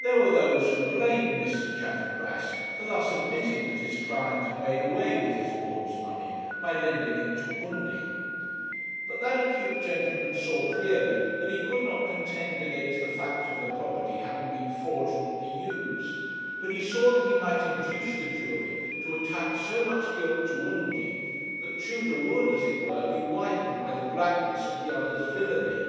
There were those who blamed Mr. Chaffanbrass for thus admitting that his client had made away with his ward's money by lending it to Undy; but that acute gentleman saw clearly that he could not contend against the fact of the property having been fraudulently used; but he saw that he might induce the jury to attach so much guilt to Undy, that Tudor would, as it were, be whitened by the blackness of the other's villany.